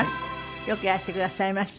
よくいらしてくださいました。